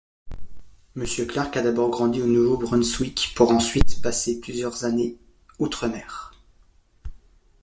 Monsieur Clarke a d’abord grandi au Nouveau-Brunswick pour ensuite passer plusieurs années outre-mer.